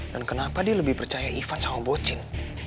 dan kenapa dia lebih percaya ivan sama bocin